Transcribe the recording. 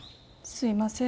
すいません。